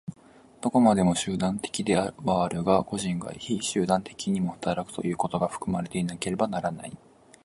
どこまでも集団的ではあるが、個人が非集団的にも働くということが含まれていなければならない。